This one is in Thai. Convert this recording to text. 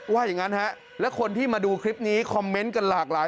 ว่าอย่างงั้นคนนี้ว่าเพลงที่ดูคอมเม้นต์กันหลากหลาย